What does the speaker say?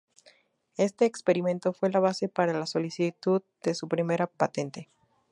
Este experimento fue la base para la solicitud de su primera patente.